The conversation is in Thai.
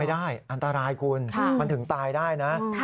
ได้อันตรายคุณมันถึงตายได้นะ